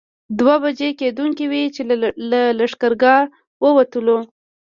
دوه بجې کېدونکې وې چې له لښکرګاه ووتلو.